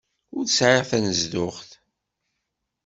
Ur sɛiɣ tanezduɣt.